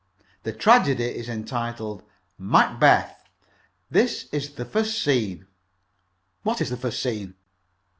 The tragedy is entitled 'Macbeth.' This is the first scene." "What is the first scene?"